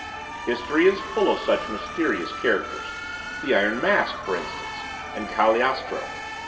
History is full of stories of such mysterious characters, the Iron Mask, for instance, and Cagliostro.